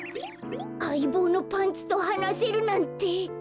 あいぼうのパンツとはなせるなんて。